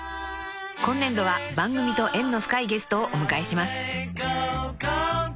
［今年度は番組と縁の深いゲストをお迎えします］